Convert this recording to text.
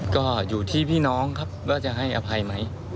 ก็อยู่ที่พี่น้องครับว่าจะให้อภัยไหม